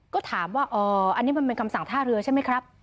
ก็ถามว่าอ๋ออันนี้มันเป็นคำสั่งท่าเรือใช่ไหมครับ